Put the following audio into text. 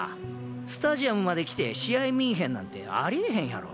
スタジアムまで来て試合見ぃへんなんてありえへんやろ！